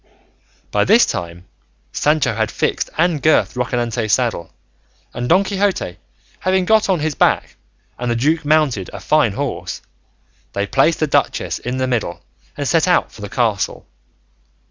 By this time Sancho had fixed and girthed Rocinante's saddle, and Don Quixote having got on his back and the duke mounted a fine horse, they placed the duchess in the middle and set out for the castle.